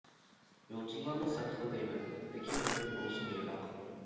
يۇلتۇزلارنىڭ سەر خىلى دەيمەن، لېكىن مەندىن بولسىمۇ يىراق.